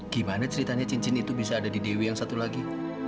gimana ceritanya cincin itu bisa ada di dewi yang satu lagi